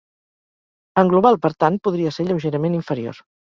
En global, per tant, podria ser lleugerament inferior.